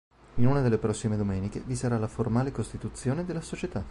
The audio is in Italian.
In una delle prossime domeniche vi sarà la formale costituzione della Società.